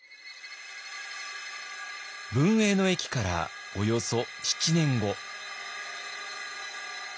文永の役からおよそ７年後。